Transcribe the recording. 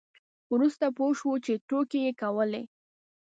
وروسته پوه شو چې ټوکې یې کولې.